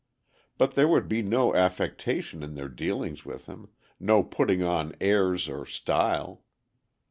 But there would be no affectation in their dealings with him, no putting on of airs or style.